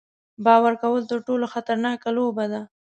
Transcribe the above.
باور کول تر ټولو خطرناکه لوبه ده.